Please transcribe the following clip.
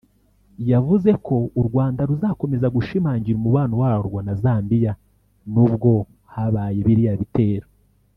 yavuze ko u Rwanda ruzakomeza gushimangira umubano warwo na Zambia nubwo habaye biriya bitero